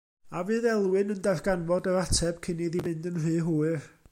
A fydd Elwyn yn darganfod yr ateb cyn iddi fynd yn rhy hwyr?